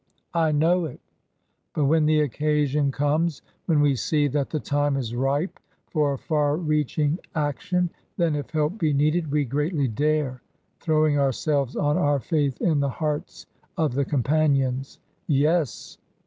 ''" I know it." " But when the occasion comes, when we see that the time is ripe for a far reaching action — then, if help be needed, we greatly dare — throwing ourselves on our faith in the hearts of the companions." " Yes."